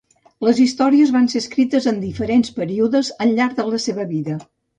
Les històries van ser escrites en diferents períodes al llarg de la seva vida.